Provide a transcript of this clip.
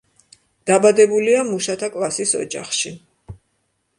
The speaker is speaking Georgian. დაბადებულია მუშათა კლასის ოჯახში.